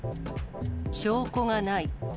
証拠がない。